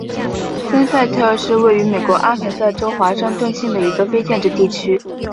森塞特是位于美国阿肯色州华盛顿县的一个非建制地区。